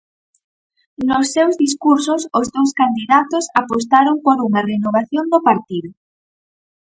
Nos seus discursos os dous candidatos apostaron por unha renovación do partido.